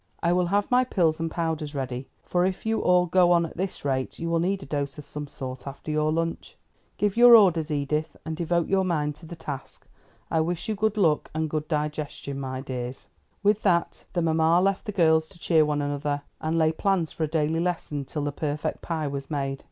"I will have my pills and powders ready, for if you all go on at this rate you will need a dose of some sort after your lunch. Give your orders, Edith, and devote your mind to the task. I wish you good luck and good digestion, my dears." With that the mamma left the girls to cheer one another, and lay plans for a daily lesson till the perfect pie was made.